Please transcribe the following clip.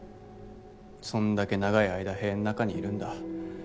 そんだけ長い間塀の中にいるんだ。